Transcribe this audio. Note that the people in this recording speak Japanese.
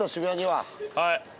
はい。